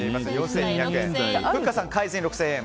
ふっかさん変えずに６０００円。